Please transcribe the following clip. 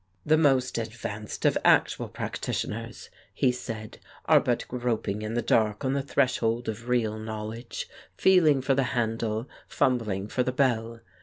"The most advanced of actual practitioners," he said, "are but groping in the dark on the threshold of real knowledge, feeling for the handle, fumbling for the bell.